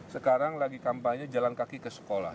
sekarang lagi kampanye jalan kaki ke sekolah